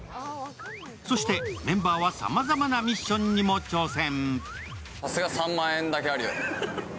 そして、メンバーはさまざまなミッションにも挑戦。